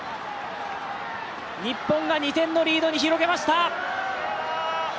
日本が２点のリードに広げました。